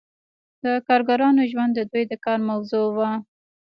د کارګرانو ژوند د دوی د کار موضوع وه.